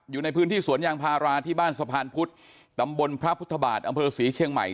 อยู่ในพื้นที่สวนยางพาราที่บ้านสะพานพุทธตำบลพระพุทธบาทอำเภอศรีเชียงใหม่